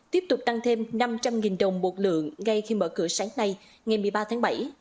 tiếp tục tăng thêm năm trăm linh đồng một lượng ngay khi mở cửa sáng nay ngày một mươi ba tháng bảy